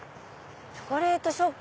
チョコレートショップ！